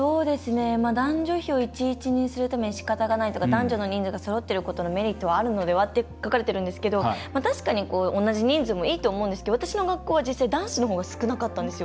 男女比を１：１にするためにしかたがないとか男女の人数がそろっているメリットがあるのではと書かれているんですが確かに同じ人数もいいと思うんですけど私の学校は実際男子のほうが少なかったんですよ。